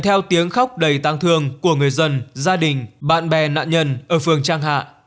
theo tiếng khóc đầy tăng thương của người dân gia đình bạn bè nạn nhân ở phường trang hạ